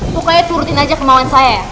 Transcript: pokoknya turutin aja kemauan saya ya